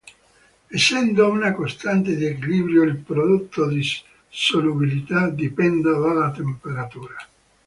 Essendo una costante di equilibrio, il prodotto di solubilità dipende dalla temperatura.